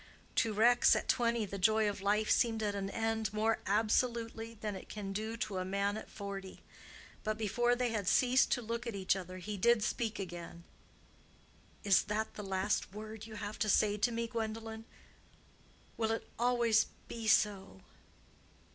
To Rex at twenty the joy of life seemed at an end more absolutely than it can do to a man at forty. But before they had ceased to look at each other, he did speak again. "Is that last word you have to say to me, Gwendolen? Will it always be so?"